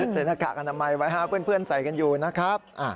หน้ากากอนามัยไว้เพื่อนใส่กันอยู่นะครับ